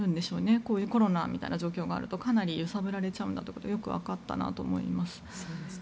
こういうコロナみたいな状況があるとかなり揺さぶられちゃうんだとわかったと思います。